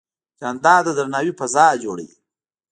جانداد د درناوي فضا جوړوي.